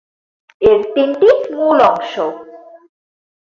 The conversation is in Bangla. এর তিনটি মূল অংশ।